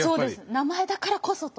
名前だからこそと。